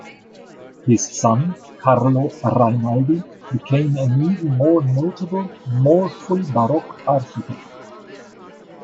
His son, Carlo Rainaldi, became an even more notable, more fully Baroque architect.